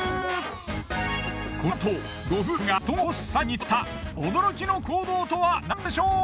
このあとご夫婦が布団を干す際にとった驚きの行動とは何でしょう？